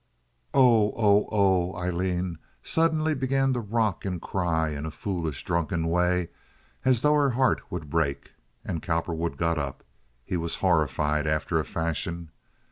"Oh! oh! oh!" Aileen suddenly began to rock and cry in a foolish drunken way, as though her heart would break, and Cowperwood got up. He was horrified after a fashion.